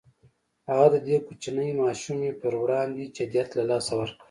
هغه د دې کوچنۍ ماشومې پر وړاندې جديت له لاسه ورکړ.